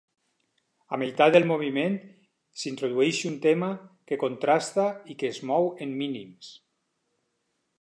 A meitat del moviment, s'introdueix un tema que contrasta i que es mou en mínims.